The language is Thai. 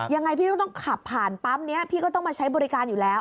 ยังไงพี่ก็ต้องขับผ่านปั๊มนี้พี่ก็ต้องมาใช้บริการอยู่แล้ว